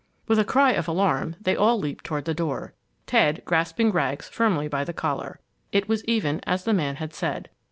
With a cry of alarm, they all leaped toward the door, Ted grasping Rags firmly by the collar. It was even as the man had said.